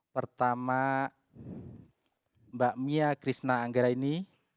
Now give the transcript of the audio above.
pertama mbak mia krishna anggraini